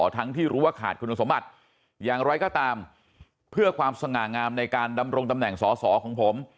ทั้งที่รู้ว่าขาดคุณสมบัติอย่างไรก็ตามเพื่อความสง่างามในการดำรงตำแหน่งสอสอของผม